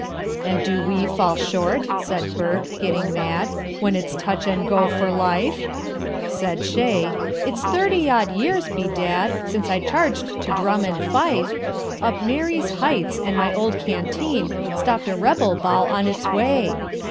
"And do we fall short," said Burke, getting mad, "When it's touch and go for life?" Said Shea, "It's thirty odd years, be dad, Since I charged to drum and fife Up Marye's Heights, and my old canteen Stopped a Rebel ball on its way.